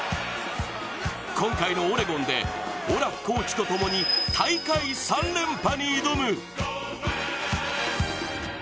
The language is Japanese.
今回のオレゴンでオラフコーチともに大会３連覇に挑む。